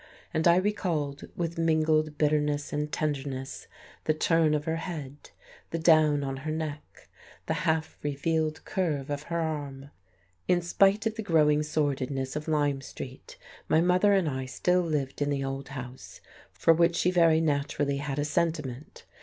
And I recalled, with mingled bitterness and tenderness, the turn of her head, the down on her neck, the half revealed curve of her arm.... In spite of the growing sordidness of Lyme Street, my mother and I still lived in the old house, for which she very naturally had a sentiment.